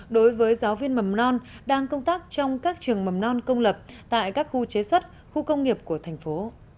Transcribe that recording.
đối với giáo viên mầm non đang công tác trong các trường mầm non công lập tại các khu chế xuất khu công nghiệp của thành phố